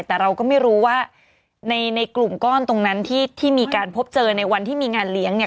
แต่เราก็ไม่รู้ว่าในกลุ่มก้อนตรงนั้นที่มีการพบเจอในวันที่มีงานเลี้ยงเนี่ย